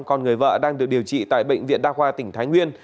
còn người vợ đang được điều trị tại bệnh viện đa khoa tỉnh thái nguyên